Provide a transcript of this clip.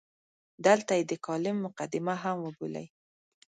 دلته یې د کالم مقدمه هم وبولئ.